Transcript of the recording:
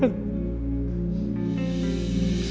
kondisinya sekarang mengkhawatirkan